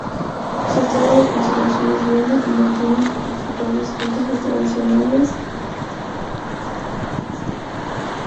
Su estado de conservación es bueno y mantiene los principales útiles tradicionales de vinificación.